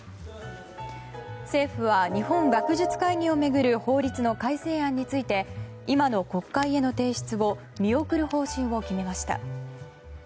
政府は日本学術会議を巡る法律の改正案について今の国会への提出を見送る方針を決めました。